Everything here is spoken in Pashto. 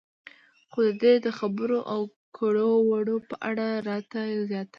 خو د دې د خبرو او کړو وړو په اړه راته زياتره